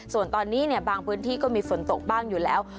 ส่วนตอนนี้บางพื้นที่ก็มีฝนตกบ้างอยู่แล้ว